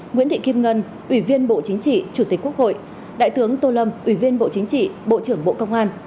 nguyễn thị kim ngân ủy viên bộ chính trị chủ tịch quốc hội đại tướng tô lâm ủy viên bộ chính trị bộ trưởng bộ công an